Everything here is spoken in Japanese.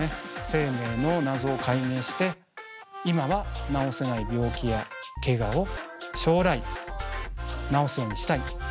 生命の謎を解明して今は治せない病気やけがを将来治すようにしたい。